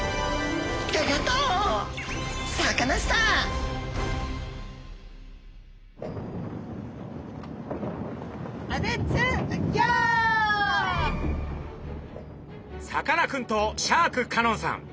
さかなクンとシャーク香音さん。